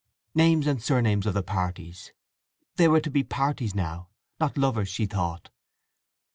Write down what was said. "Names and Surnames of the Parties"—(they were to be parties now, not lovers, she thought).